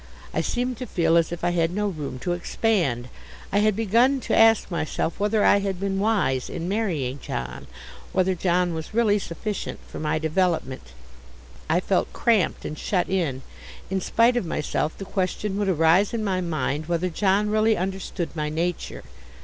I seemed to feel as if I had no room to expand. I had begun to ask myself whether I had been wise in marrying John, whether John was really sufficient for my development. I felt cramped and shut in. In spite of myself the question would arise in my mind whether John really understood my nature.